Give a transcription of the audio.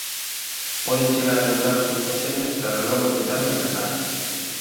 Poden chegar a devorar os seus conxéneres tralo longo letargo invernal.